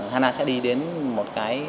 hana sẽ đi đến một cái